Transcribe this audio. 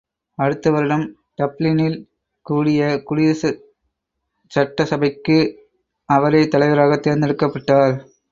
அடுத்தவருடம் டப்ளினில் கூடிய குடியரசுச்சட்ட கபைக்கு அவரே தலைவராகத் தேர்ந்தெடுக்கப்பட்டார்.